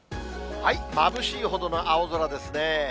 まぶしいほどの青空ですね。